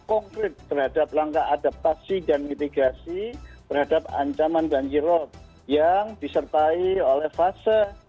konkret terhadap langkah adaptasi dan mitigasi terhadap ancaman banjir rob yang disertai oleh fase